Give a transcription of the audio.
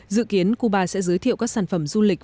dự kiến cuba sẽ giới thiệu các sản phẩm du lịch